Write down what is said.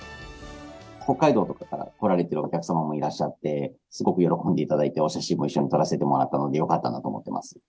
北海道とかから来られているお客様もいらっしゃって、すごく喜んでいただいて、お写真も一緒に撮らせてもらったので、よかったなと思ってます。